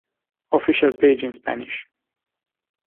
Official page in Spanish.